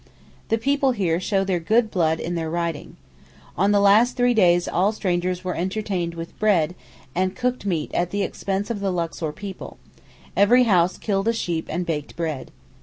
The people here show their good blood in their riding. On the last three days all strangers were entertained with bread and cooked meat at the expense of the Luxor people; every house killed a sheep and baked bread.